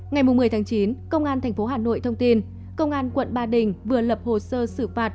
ngày một mươi chín công an tp hcm thông tin công an quận ba đình vừa lập hồ sơ xử phạt